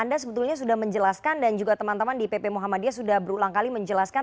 anda sebetulnya sudah menjelaskan dan juga teman teman di pp muhammadiyah sudah berulang kali menjelaskan